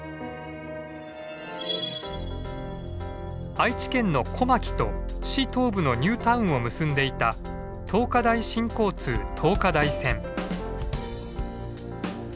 愛知県の小牧と市東部のニュータウンを結んでいた桃花台新交通桃花台線。